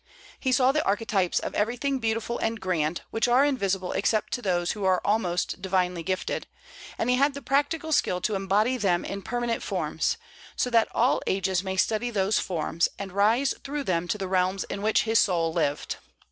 He saw the archetypes of everything beautiful and grand, which are invisible except to those who are almost divinely gifted; and he had the practical skill to embody them in permanent forms, so that all ages may study those forms, and rise through them to the realms in which his soul lived.